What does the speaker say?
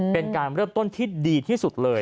เป็นการเริ่มต้นที่ดีที่สุดเลย